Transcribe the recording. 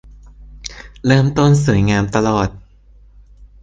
เริ่มต้นสวยงามตลอด